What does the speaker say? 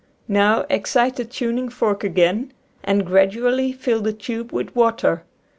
Now, excite the tuning fork again and gradu ally fill the tube with water.